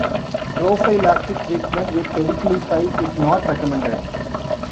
Prophylactic treatment with pediculicides is not recommended.